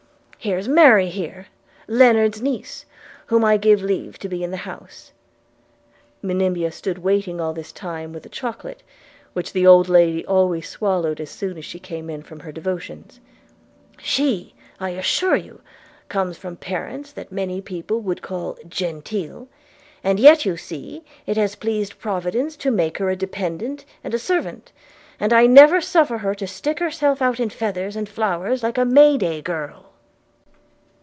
Here's Mary here, Lennard's niece, whom I give leave to be in the house (Monimia stood waiting all this time with the chocolate, which the old lady always swallowed as soon as she came in from her devotions), she, I assure you, comes of parents that many people would call genteel; and yet you see, as it has pleased Providence to make her a dependent and a servant, I never suffer her to stick herself out in feathers and flowers like a May day girl.'